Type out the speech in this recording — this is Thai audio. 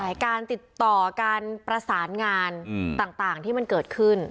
ใช่การติดต่อการประสานงานต่างที่มันเกิดขึ้น